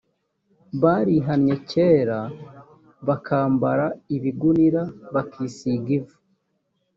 barihannye kera bakambara ibigunira bakisiga ivu